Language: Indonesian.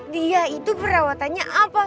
dia itu perawatannya apa